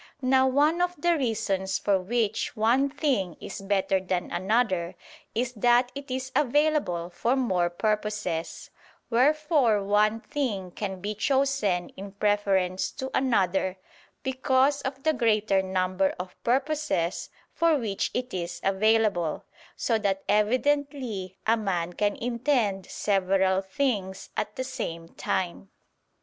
Now one of the reasons for which one thing is better than another is that it is available for more purposes: wherefore one thing can be chosen in preference to another, because of the greater number of purposes for which it is available: so that evidently a man can intend several things at the same time.